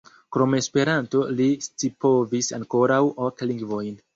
Krom Esperanto li scipovis ankoraŭ ok lingvojn.